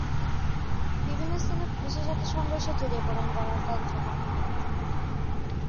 বিভিন্ন স্থানে পুলিশের সাথে সংঘর্ষে জড়িয়ে পড়েন গণতন্ত্রকামীরা।